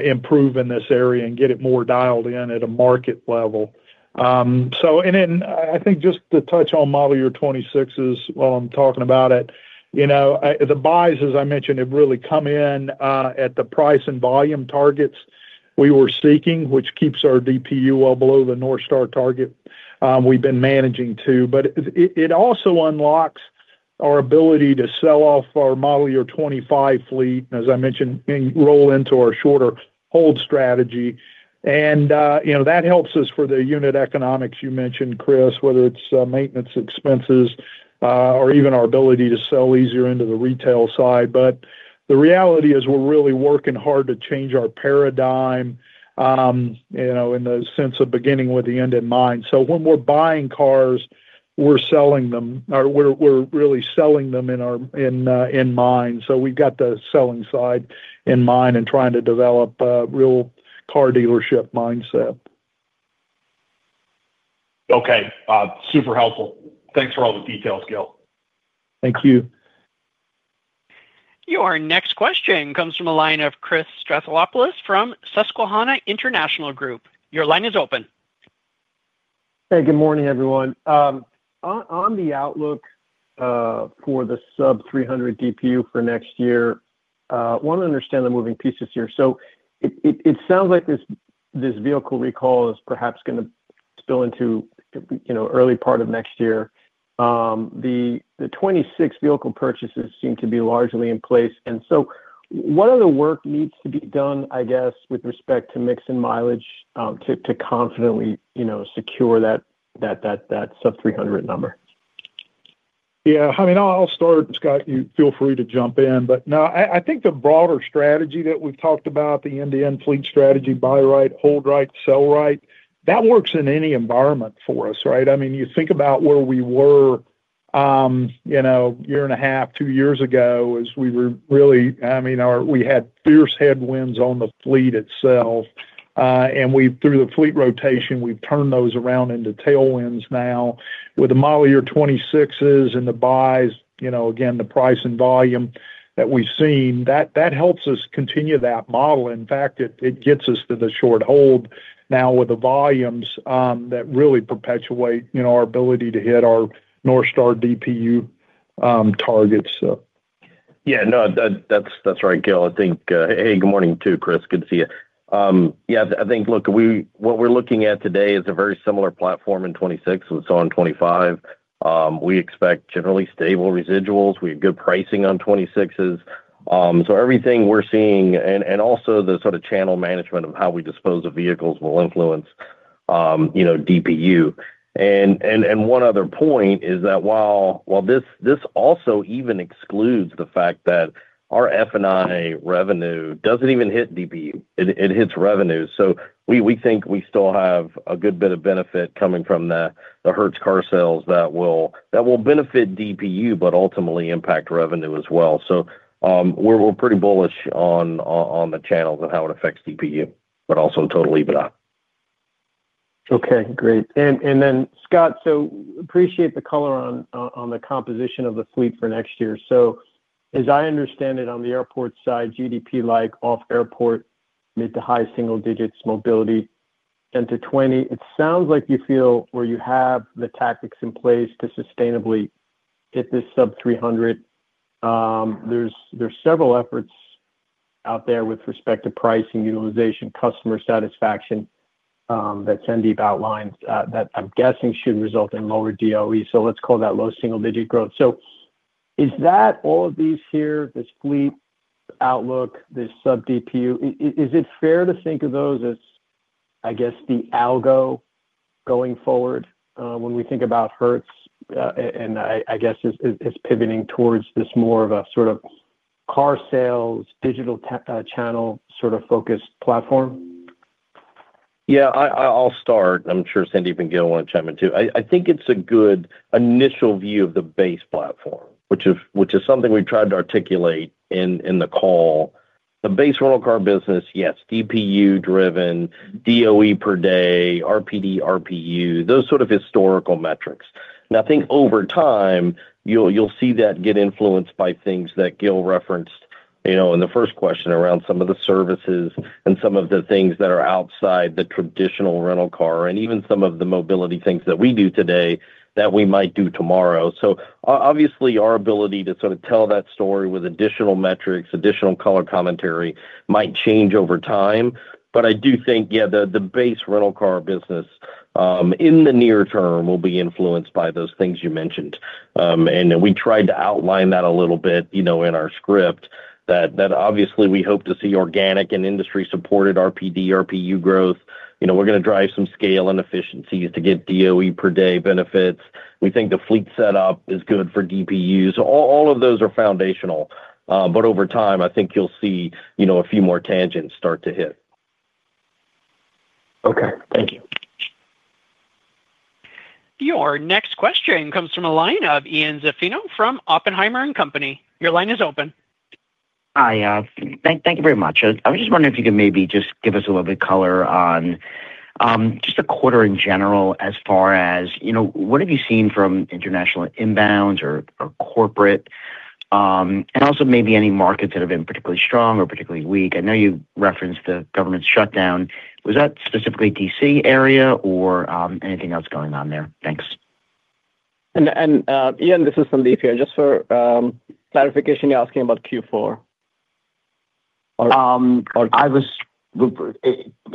improve in this area and get it more dialed in at a market level. And then I think just to touch on model year 2026 while I'm talking about it. The buys, as I mentioned, have really come in at the price and volume targets we were seeking, which keeps our DPU well below the North Star target we've been managing to. But it also unlocks our ability to sell off our model year 2025 fleet, as I mentioned, and roll into our shorter hold strategy. And that helps us for the unit economics you mentioned, Chris, whether it's maintenance expenses or even our ability to sell easier into the retail side. But the reality is we're really working hard to change our paradigm in the sense of beginning with the end in mind. So when we're buying cars, we're selling them or we're really selling them in mind. So we've got the selling side in mind and trying to develop a real car dealership mindset. Okay. Super helpful. Thanks for all the details, Gil. Thank you. Your next question comes from the line of Chris Stathoulopoulos from Susquehanna International Group. Your line is open. Hey, good morning, everyone. On the outlook for the sub-300 DPU for next year, I want to understand the moving pieces here. So it sounds like this vehicle recall is perhaps going to spill into early part of next year. The 2026 vehicle purchases seem to be largely in place. And so what other work needs to be done, I guess, with respect to mix and mileage to confidently secure that sub-300 number? Yeah. I mean, I'll start, Scott. You feel free to jump in. But no, I think the broader strategy that we've talked about, the end-to-end fleet strategy, buy right, hold right, sell right, that works in any environment for us, right? I mean, you think about where we were. A year and a half, two years ago as we were really, I mean, we had fierce headwinds on the fleet itself. And through the fleet rotation, we've turned those around into tailwinds now. With the model year '26s and the buys, again, the price and volume that we've seen, that helps us continue that model. In fact, it gets us to the short hold now with the volumes that really perpetuate our ability to hit our North Star DPU targets. Yeah, no, that's right, Gil. I think, hey, good morning too, Chris. Good to see you. Yeah, I think, look, what we're looking at today is a very similar platform in 2026. It was on 2025. We expect generally stable residuals. We have good pricing on 2026s. So everything we're seeing and also the sort of channel management of how we dispose of vehicles will influence DPU. And one other point is that while this also even excludes the fact that our F&I revenue doesn't even hit DPU. It hits revenue. So we think we still have a good bit of benefit coming from the Hertz Car Sales that will benefit DPU, but ultimately impact revenue as well. So. We're pretty bullish on the channels and how it affects DPU, but also totally leave it up. Okay, great. And then, Scott, so appreciate the color on the composition of the fleet for next year. So as I understand it on the airport side, RPD-like, off-airport, mid to high single digits, mobility 10 to 20. It sounds like you feel where you have the tactics in place to sustainably hit this sub-300. There's several efforts out there with respect to pricing, utilization, customer satisfaction that Sandeep outlined that I'm guessing should result in lower DOE. So let's call that low single-digit growth. So is that all of these here, this fleet, the outlook, this sub-DPU, is it fair to think of those as, I guess, the algo going forward when we think about Hertz and I guess is pivoting towards this more of a sort of car sales, digital channel sort of focused platform? Yeah, I'll start. I'm sure Sandeep and Gil want to chime in too. I think it's a good initial view of the base platform, which is something we've tried to articulate in the call. The base rental car business, yes, DPU-driven, DOE per day, RPD, RPU, those sort of historical metrics. And I think over time, you'll see that get influenced by things that Gil referenced in the first question around some of the services and some of the things that are outside the traditional rental car and even some of the mobility things that we do today that we might do tomorrow. So obviously, our ability to sort of tell that story with additional metrics, additional color commentary might change over time. But I do think, yeah, the base rental car business. In the near term will be influenced by those things you mentioned. And we tried to outline that a little bit in our script that obviously we hope to see organic and industry-supported RPD, RPU growth. We're going to drive some scale and efficiencies to get DOE per day benefits. We think the fleet setup is good for DPUs. All of those are foundational. But over time, I think you'll see a few more tangents start to hit. Okay. Thank you. Your next question comes from a line of Ian Zaffino from Oppenheimer and Company. Your line is open. Hi, thank you very much. I was just wondering if you could maybe just give us a little bit of color on just a quarter in general as far as what have you seen from international inbounds or corporate. And also maybe any markets that have been particularly strong or particularly weak. I know you referenced the government shutdown. Was that specifically DC area or anything else going on there? Thanks. Ian, this is Sandeep here. Just for clarification, you're asking about Q4? I was.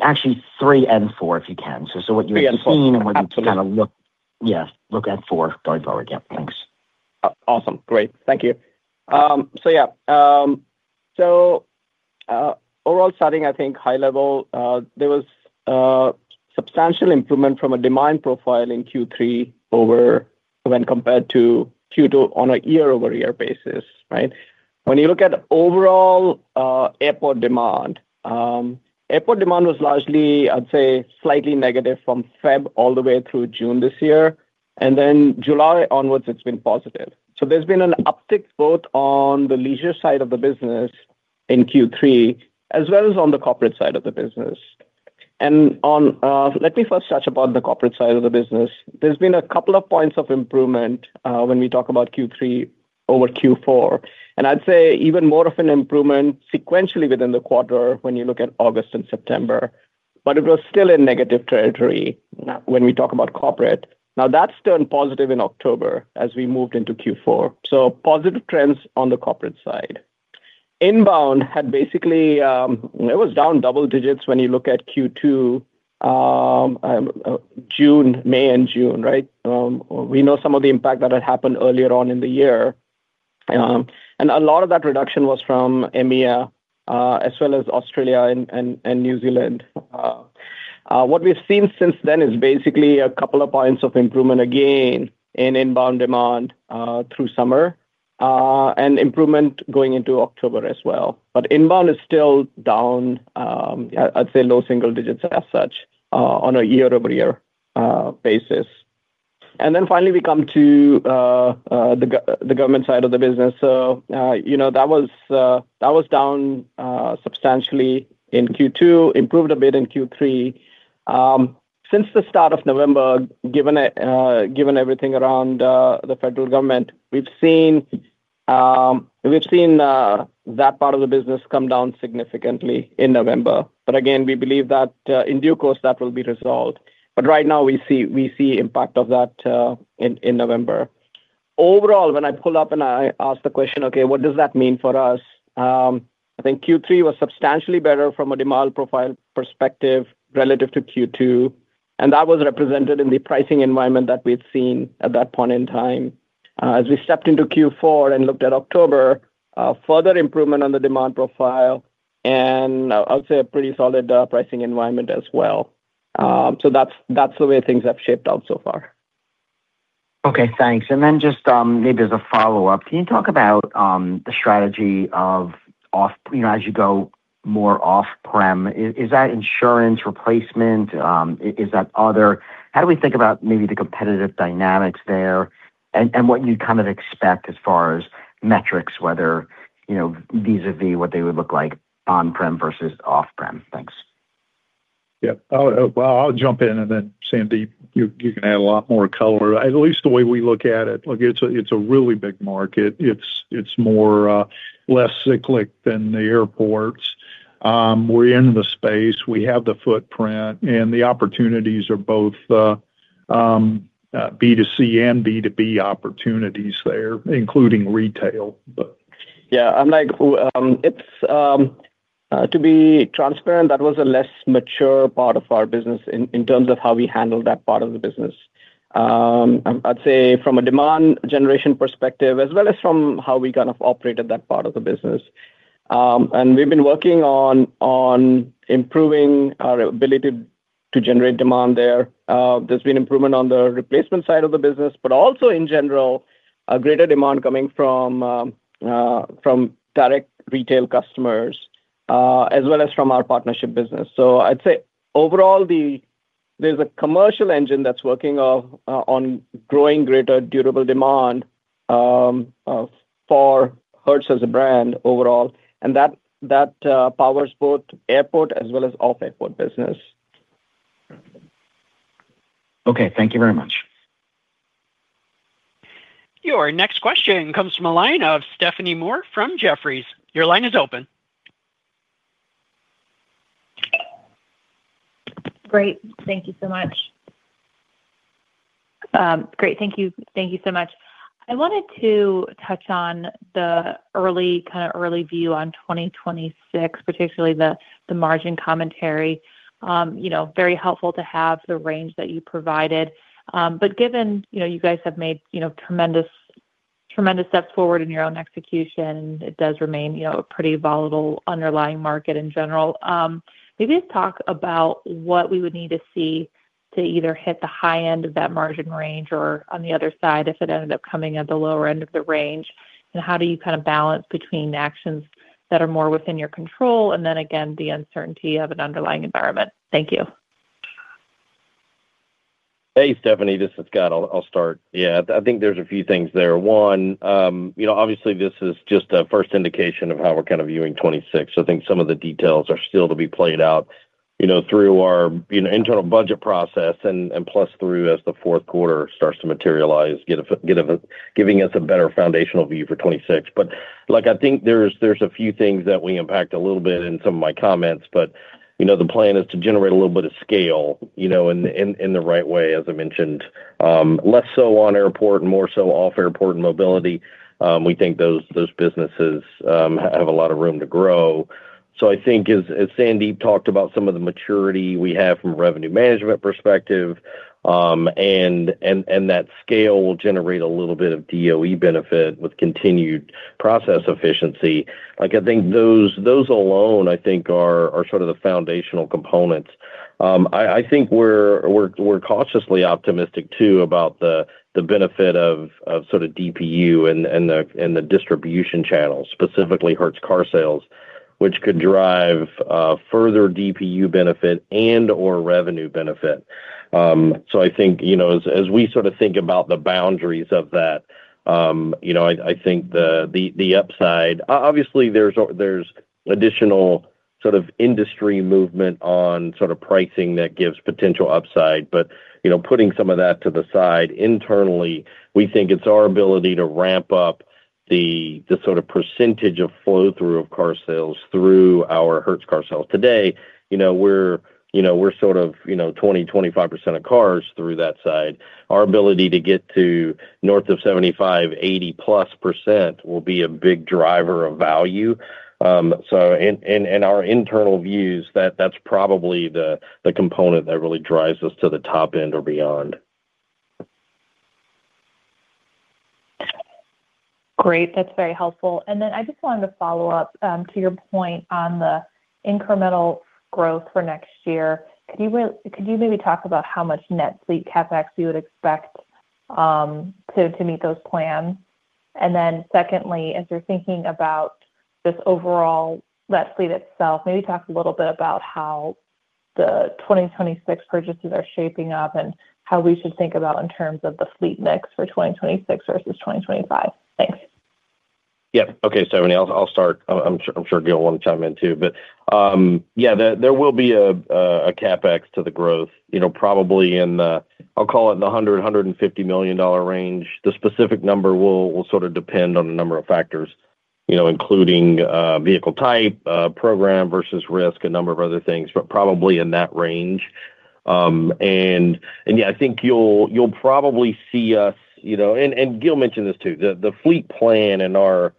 Actually three and four, if you can. So what you've seen and what you've kind of looked at, yeah, look at four going forward. Yeah. Thanks. Awesome. Great. Thank you. So yeah. So overall starting, I think high level, there was substantial improvement from a demand profile in Q3 over when compared to Q2 on a year-over-year basis, right? When you look at overall airport demand, airport demand was largely, I'd say, slightly negative from February all the way through June this year. And then July onwards, it's been positive. So there's been an uptick both on the leisure side of the business in Q3 as well as on the corporate side of the business. And let me first touch about the corporate side of the business. There's been a couple of points of improvement when we talk about Q3 over Q4. And I'd say even more of an improvement sequentially within the quarter when you look at August and September. But it was still in negative territory when we talk about corporate. Now, that's turned positive in October as we moved into Q4. So positive trends on the corporate side. Inbound had basically it was down double digits when you look at Q2, June, May, and June, right? We know some of the impact that had happened earlier on in the year. And a lot of that reduction was from EMEA as well as Australia and New Zealand. What we've seen since then is basically a couple of points of improvement again in inbound demand through summer. And improvement going into October as well. But inbound is still down. I'd say low single digits as such on a year-over-year basis. And then finally, we come to the government side of the business. So that was down substantially in Q2, improved a bit in Q3. Since the start of November, given everything around the federal government, we've seen that part of the business come down significantly in November. But again, we believe that in due course, that will be resolved. But right now, we see impact of that in November. Overall, when I pull up and I ask the question, "Okay, what does that mean for us?" I think Q3 was substantially better from a demand profile perspective relative to Q2. And that was represented in the pricing environment that we had seen at that point in time. As we stepped into Q4 and looked at October, further improvement on the demand profile and I would say a pretty solid pricing environment as well. So that's the way things have shaped out so far. Okay. Thanks. And then just maybe as a follow-up, can you talk about the strategy as you go more off-airport? Is that insurance replacement? Is that other? How do we think about maybe the competitive dynamics there and what you kind of expect as far as metrics, whether vis-à-vis what they would look like on-airport versus off-airport? Thanks. Yeah. Well, I'll jump in and then Sandeep, you can add a lot more color. At least the way we look at it, it's a really big market. It's less cyclical than the airports. We're in the space. We have the footprint, and the opportunities are both. B2C and B2B opportunities there, including retail. Yeah. I'm like, to be transparent, that was a less mature part of our business in terms of how we handled that part of the business. I'd say from a demand generation perspective as well as from how we kind of operated that part of the business. And we've been working on improving our ability to generate demand there. There's been improvement on the replacement side of the business, but also in general, a greater demand coming from direct retail customers as well as from our partnership business. So I'd say overall, there's a commercial engine that's working on growing greater durable demand for Hertz as a brand overall. And that powers both airport as well as off-airport business. Okay. Thank you very much. Your next question comes from a line of Stephanie Moore from Jefferies. Your line is open. Great. Thank you so much. I wanted to touch on the early view on 2026, particularly the margin commentary. Very helpful to have the range that you provided. But given you guys have made tremendous steps forward in your own execution, it does remain a pretty volatile underlying market in general. Maybe talk about what we would need to see to either hit the high end of that margin range or on the other side if it ended up coming at the lower end of the range. And how do you kind of balance between actions that are more within your control and then, again, the uncertainty of an underlying environment? Thank you. Hey, Stephanie. This is Scott. I'll start. Yeah. I think there's a few things there. One, obviously, this is just a first indication of how we're kind of viewing 2026. So I think some of the details are still to be played out. Through our internal budget process and plus through as the fourth quarter starts to materialize, giving us a better foundational view for 2026. But I think there's a few things that we impact a little bit in some of my comments, but the plan is to generate a little bit of scale in the right way, as I mentioned. Less so on airport and more so off-airport and mobility. We think those businesses have a lot of room to grow. So I think as Sandeep talked about some of the maturity we have from a revenue management perspective. And that scale will generate a little bit of DOE benefit with continued process efficiency. I think those alone, I think, are sort of the foundational components. I think we're cautiously optimistic too about the benefit of sort of DPU and the distribution channels, specifically Hertz Car Sales, which could drive further DPU benefit and/or revenue benefit. So I think as we sort of think about the boundaries of that. I think the upside obviously, there's additional sort of industry movement on sort of pricing that gives potential upside. But putting some of that to the side internally, we think it's our ability to ramp up the sort of percentage of flow-through of car sales through our Hertz Car Sales today. We're sort of 20% - 25% of cars through that side. Our ability to get to north of 75% - 80%+ will be a big driver of value. So in our internal views, that's probably the component that really drives us to the top end or beyond. Great. That's very helpful. And then I just wanted to follow up to your point on the incremental growth for next year. Could you maybe talk about how much net fleet CapEx you would expect to meet those plans? And then secondly, as you're thinking about this overall net fleet itself, maybe talk a little bit about how the 2026 purchases are shaping up and how we should think about in terms of the fleet mix for 2026 versus 2025. Thanks. Yeah. Okay. Stephanie, I'll start. I'm sure Gil wanted to chime in too. But yeah, there will be a CapEx to the growth, probably in the, I'll call it the $100 million - $150 million range. The specific number will sort of depend on a number of factors, including vehicle type, program versus risk, a number of other things, but probably in that range. And yeah, I think you'll probably see us, and Gil mentioned this too, the fleet plan and our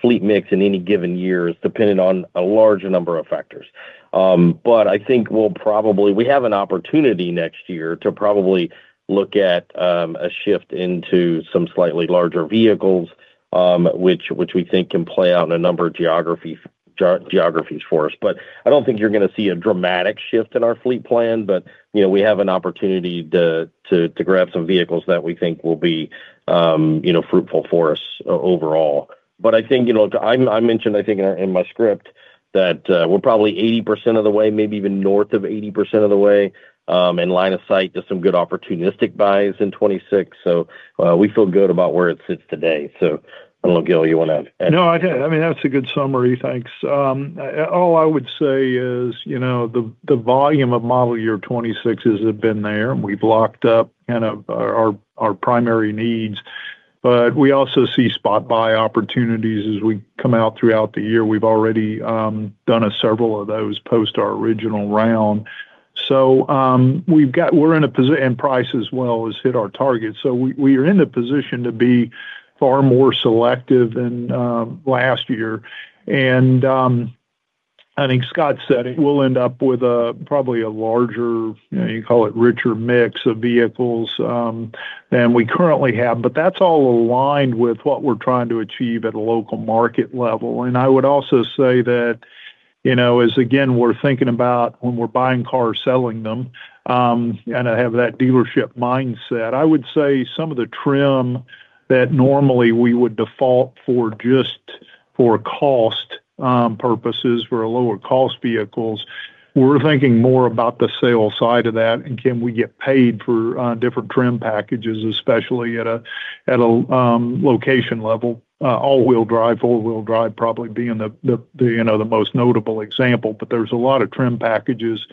fleet mix in any given year is dependent on a large number of factors. But I think we'll probably, we have an opportunity next year to probably look at a shift into some slightly larger vehicles. Which we think can play out in a number of geographies for us. But I don't think you're going to see a dramatic shift in our fleet plan, but we have an opportunity to grab some vehicles that we think will be fruitful for us overall. But I think I mentioned, I think in my script that we're probably 80% of the way, maybe even north of 80% of the way in line of sight to some good opportunistic buys in 2026. So we feel good about where it sits today. So I don't know, Gil, you want to add? No, I did. I mean, that's a good summary. Thanks. All I would say is the volume of model year 2026 has been there. We've locked up kind of our primary needs. But we also see spot buy opportunities as we come out throughout the year. We've already done several of those post our original round. So we're in a position, and price as well has hit our target. So we are in the position to be far more selective than last year. And I think Scott said it will end up with probably a larger, you call it, richer mix of vehicles than we currently have. But that's all aligned with what we're trying to achieve at a local market level. And I would also say that as again, we're thinking about when we're buying cars, selling them, and I have that dealership mindset, I would say some of the trim that normally we would default for just for cost purposes for lower-cost vehicles, we're thinking more about the sales side of that. And can we get paid for different trim packages, especially at a location level? All-wheel drive, four-wheel drive probably being the most notable example. But there's a lot of trim packages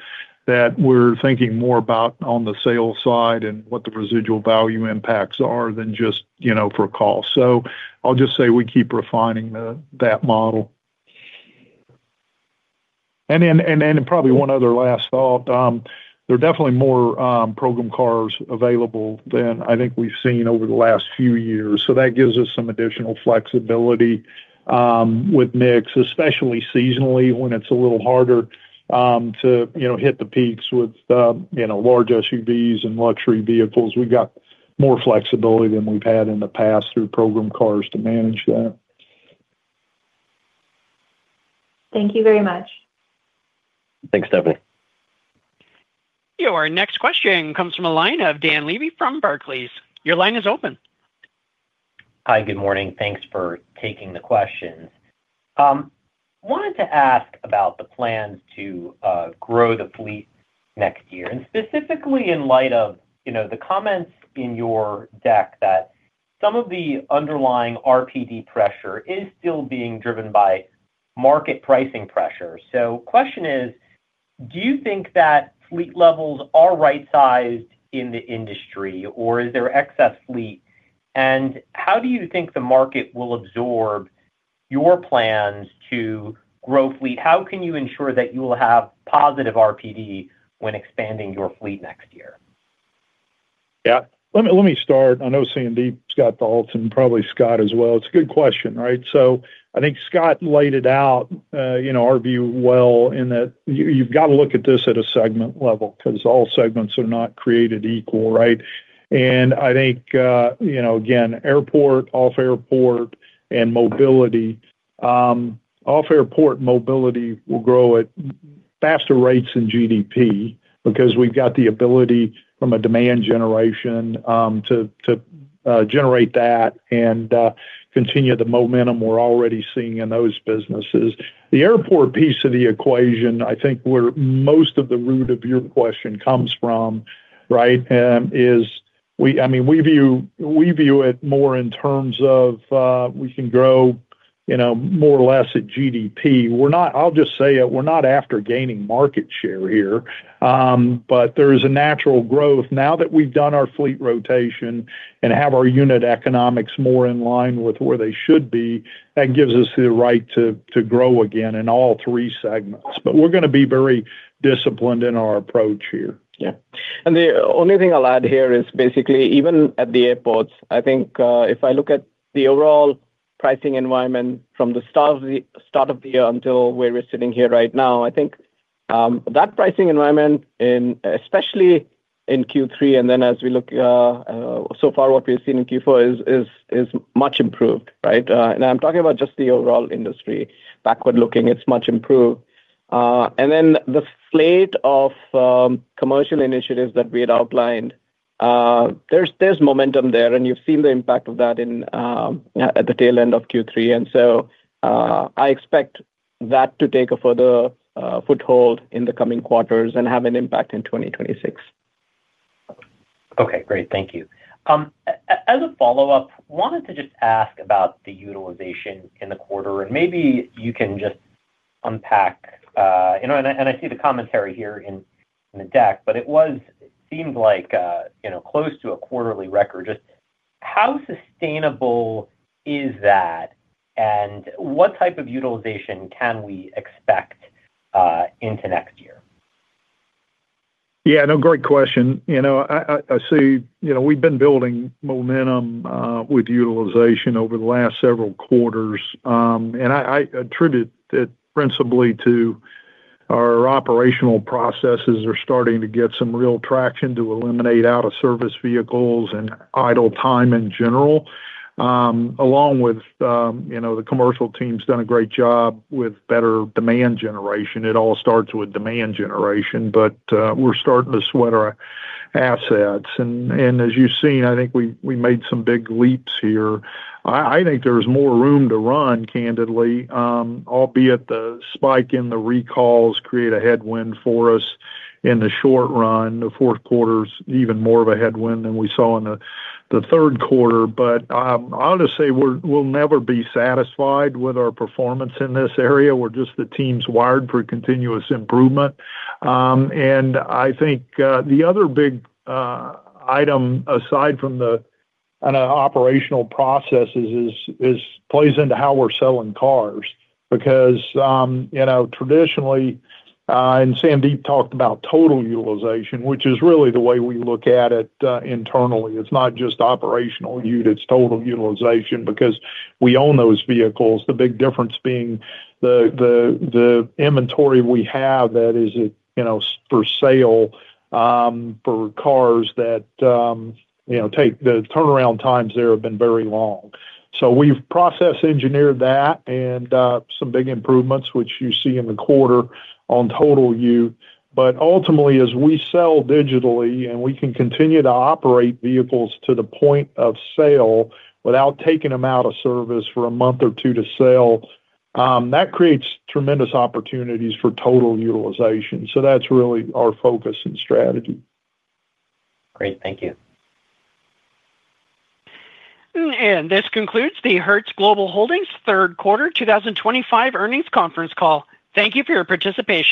that we're thinking more about on the sales side and what the residual value impacts are than just for cost. So I'll just say we keep refining that model. And then probably one other last thought. There are definitely more program cars available than I think we've seen over the last few years. So that gives us some additional flexibility with mix, especially seasonally when it's a little harder to hit the peaks with large SUVs and luxury vehicles. We've got more flexibility than we've had in the past through program cars to manage that. Thank you very much. Thanks, Stephanie. Our next question comes from a line of Dan Levy from Barclays. Your line is open. Hi, good morning. Thanks for taking the question. I wanted to ask about the plans to grow the fleet next year. And specifically in light of the comments in your deck that some of the underlying RPD pressure is still being driven by market pricing pressure. So the question is, do you think that fleet levels are right-sized in the industry, or is there excess fleet? And how do you think the market will absorb your plans to grow fleet? How can you ensure that you will have positive RPD when expanding your fleet next year? Yeah. Let me start. I know CND, Scott Dalton, probably Scott as well. It's a good question, right? So I think Scott laid it out. Our view, well, in that you've got to look at this at a segment level because all segments are not created equal, right? And I think. Again, airport, off-airport, and mobility. Off-airport mobility will grow at faster rates than GDP because we've got the ability from a demand generation to generate that and continue the momentum we're already seeing in those businesses. The airport piece of the equation, I think, where most of the root of your question comes from, right? I mean, we view it more in terms of we can grow more or less at GDP. I'll just say it. We're not after gaining market share here. But there is a natural growth now that we've done our fleet rotation and have our unit economics more in line with where they should be. That gives us the right to grow again in all three segments. But we're going to be very disciplined in our approach here. Yeah. And the only thing I'll add here is basically even at the airports, I think if I look at the overall pricing environment from the start of the year until where we're sitting here right now, I think that pricing environment, especially in Q3, and then as we look so far what we've seen in Q4 is much improved, right? And I'm talking about just the overall industry. Backward looking, it's much improved. And then the slate of commercial initiatives that we had outlined. There's momentum there, and you've seen the impact of that at the tail end of Q3. And so I expect that to take a further foothold in the coming quarters and have an impact in 2026. Okay. Great. Thank you. As a follow-up, I wanted to just ask about the utilization in the quarter, and maybe you can just unpack, and I see the commentary here in the deck, but it seems like close to a quarterly record. Just how sustainable is that, and what type of utilization can we expect into next year? Yeah. No, great question. I see we've been building momentum with utilization over the last several quarters, and I attribute it principally to our operational processes are starting to get some real traction to eliminate out-of-service vehicles and idle time in general. Along with the commercial team's done a great job with better demand generation. It all starts with demand generation, but we're starting to sweat our assets. And as you've seen, I think we made some big leaps here. I think there's more room to run, candidly, albeit the spike in the recalls create a headwind for us in the short run. The fourth quarter is even more of a headwind than we saw in the third quarter. But I'll just say we'll never be satisfied with our performance in this area. We're just the team's wired for continuous improvement. And I think the other big item aside from the operational processes plays into how we're selling cars because traditionally, and Sandeep talked about total utilization, which is really the way we look at it internally. It's not just operational units, total utilization, because we own those vehicles. The big difference being the inventory we have that is for sale for cars that take the turnaround times there have been very long. So we've process-engineered that and some big improvements, which you see in the quarter on total utilization. But ultimately, as we sell digitally and we can continue to operate vehicles to the point of sale without taking them out of service for a month or two to sell. That creates tremendous opportunities for total utilization. So that's really our focus and strategy. Great. Thank you. This concludes the Hertz Global Holdings third quarter 2025 earnings conference call. Thank you for your participation.